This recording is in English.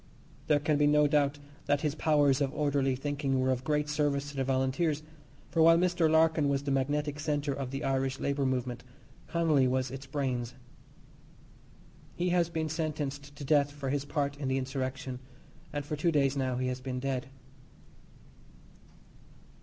There can be no doubt that his powers of orderly thinking were of great service to the Volunteers, for while Mr. Larkin was the magnetic centre of the Irish labour movement, Connolly was its brains. He has been sentenced to death for his part in the insurrection, and for two days now he has been dead.